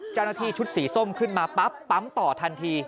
เจ้าหน้าที่ชุดสีส้มขึ้นมาปั๊บปั๊มต่อทันที